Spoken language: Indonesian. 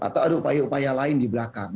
atau ada upaya upaya lain di belakang